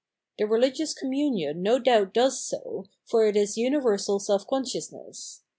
The religious communion no doubt does so, for it is universal self consciousness.